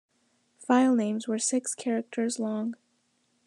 Filenames were six characters long.